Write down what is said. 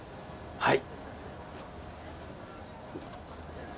はい。